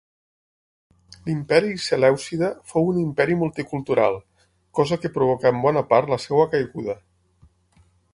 L'imperi Selèucida fou un imperi multicultural, cosa que provocà en bona part la seva caiguda.